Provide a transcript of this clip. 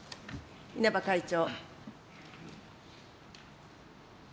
稲葉会長。